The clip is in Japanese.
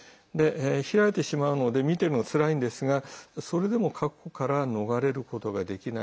開いてしまうので見てるのがつらいんですがそれでも過去から逃れることができない。